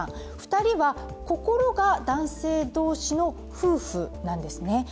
２人は心が男性同士の夫婦なんですね。